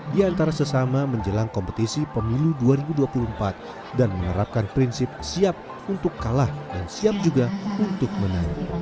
di antara sesama menjelang kompetisi pemilu dua ribu dua puluh empat dan menerapkan prinsip siap untuk kalah dan siap juga untuk menang